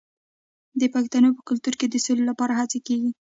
د پښتنو په کلتور کې د سولې لپاره هڅې کیږي.